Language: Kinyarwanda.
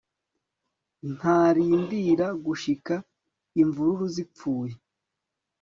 ntarindira gushika imvururu zipfuye